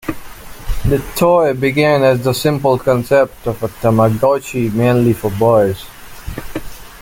The toy began as the simple concept of a Tamagotchi mainly for boys.